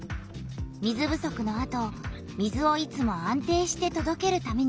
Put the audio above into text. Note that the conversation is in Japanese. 水不足のあと水をいつも安定してとどけるためにつくられた。